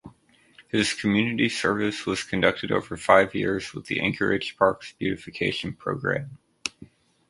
His community service was conducted over five years with the Anchorage Parks Beautification Program.